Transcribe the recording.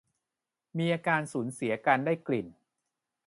มีอาการสูญเสียการได้กลิ่น